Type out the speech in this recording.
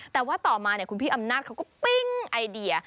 แต่ว่าต่อมาคุณพี่อำนาจเขาก็ปิ้งไอเดีย